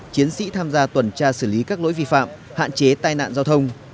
chiến sĩ tham gia tuần tra xử lý các lỗi vi phạm hạn chế tai nạn giao thông